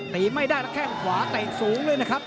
ไม่ได้แล้วแข้งขวาเตะสูงเลยนะครับ